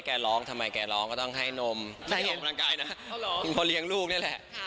แกร้องทำไมแกร้องก็ต้องให้นมให้นมกำลังกายนะเพราะเลี้ยงลูกนี่แหละ